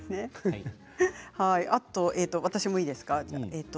私もいいですか？